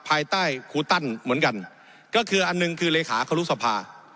ภายใต้ครูตันเหมือนกันก็คืออันหนึ่งคือเลขาครุสภา